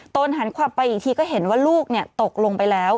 หันขวับไปอีกทีก็เห็นว่าลูกตกลงไปแล้ว